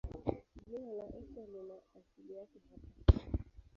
Jina la Asia lina asili yake hapa.